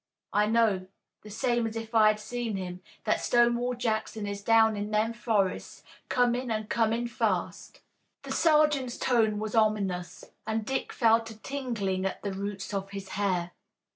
I know, the same as if I had seen him, that Stonewall Jackson is down in them forests, comin' an' comin' fast." The sergeant's tone was ominous, and Dick felt a tingling at the roots of his hair.